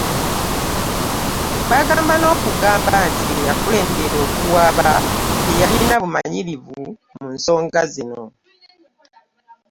Bagamba n'okugamba nti eyakulembera okuwaaba teyalina bumanyirivu mu nsonga zino